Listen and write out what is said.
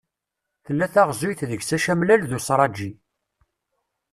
Tella teɣzuyt deg-s acamlal d userraǧi.